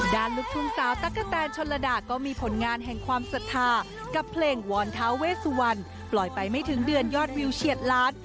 ลูกทุ่งสาวตั๊กกะแตนชนระดาก็มีผลงานแห่งความศรัทธากับเพลงวอนท้าเวสวันปล่อยไปไม่ถึงเดือนยอดวิวเฉียดล้าน